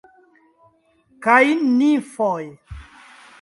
kaj nimfoj.